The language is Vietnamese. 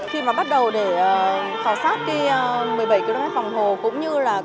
khi mà bắt đầu để